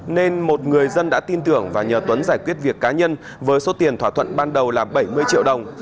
nên một người dân đã tin tưởng và nhờ tuấn giải quyết việc cá nhân với số tiền thỏa thuận ban đầu là bảy mươi triệu đồng